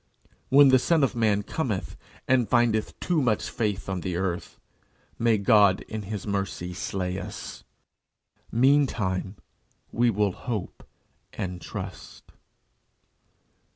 When the Son of man cometh and findeth too much faith on the earth may God in his mercy slay us. Meantime, we will hope and trust.